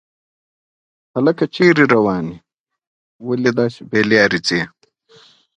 د مسلمانانو لپاره بیا ځکه مقدس دی.